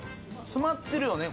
詰まってるよね